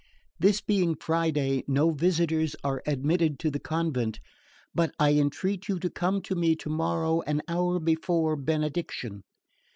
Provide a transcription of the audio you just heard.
"This being Friday, no visitors are admitted to the convent; but I entreat you to come to me tomorrow an hour before benediction."